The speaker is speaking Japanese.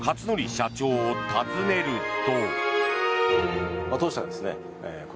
社長を訪ねると。